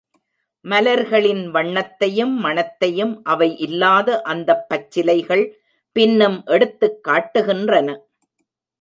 மலர்களின் வண்ணத்தையும், மணத்தையும் அவை இல்லாத அந்தப் பச்சிலைகள் பின்னும் எடுத்துக் காட்டுகின்றன.